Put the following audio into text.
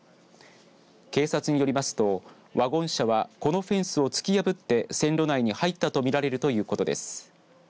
警察によりますと、ワゴン車はこのフェンスを突き破って線路内に入ったとみられるということです。